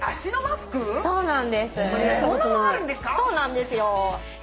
そうなんです。